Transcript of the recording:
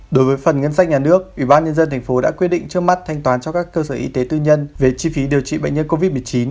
đối với phần ngân sách nhà nước ubnd tp đã quyết định trước mắt thanh toán cho các cơ sở y tế tư nhân về chi phí điều trị bệnh nhân covid một mươi chín